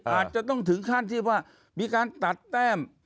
อาจจะต้องถึงขั้นที่ว่ามีการตัดแต้ม